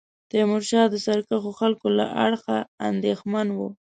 تیمورشاه د سرکښو خلکو له اړخه اندېښمن وو.